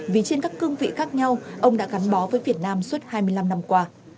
vì trên các cương vị khác nhau ông đã gắn bó với việt nam suốt hai mươi năm năm qua